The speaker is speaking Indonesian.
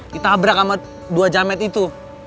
ditabrak sama dua jamet itu